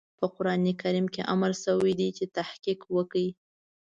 په قرآن کريم کې امر شوی چې تحقيق وکړئ.